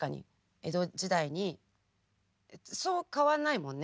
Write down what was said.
江戸時代にそう変わらないもんね？